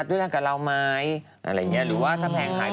อุ้ยนะครับผม